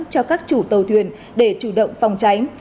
cho các chủ tàu thuyền để chủ động phòng tránh